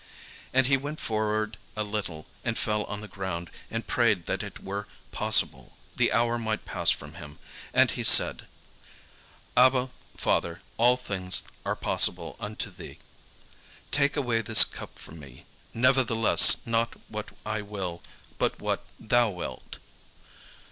And he went forward a little, and fell on the ground, and prayed that if it were possible, the hour might pass from him. And he said: "Abba, Father, all things are possible unto thee; take away this cup from me: nevertheless not what I will, but what thou wilt."